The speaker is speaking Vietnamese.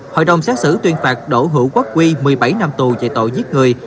hội đồng xét xử tuyên phạt đỗ hữu quốc huy một mươi bảy năm tù dạy tội giết người